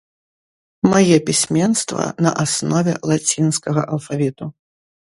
Мае пісьменства на аснове лацінскага алфавіту.